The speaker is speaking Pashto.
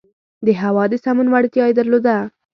د هوا د سمون وړتیا یې درلوده.